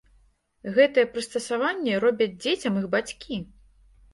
Гэтыя прыстасаванні робяць дзецям іх бацькі!